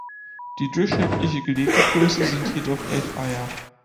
Die durchschnittliche Gelegegröße sind jedoch elf Eier.